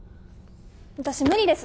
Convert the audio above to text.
私無理です